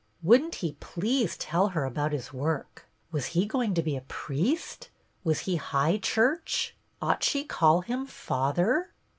Would n't he please tell her about his work? Was he going to be priest ? Was he high church ? Ought she call him Father?